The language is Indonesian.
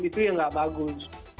itu yang tidak bagus